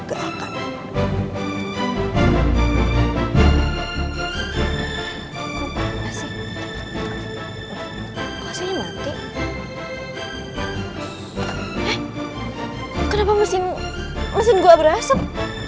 eh kenapa mesin gue berasap